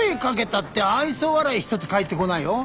たって愛想笑い一つ返ってこないよ。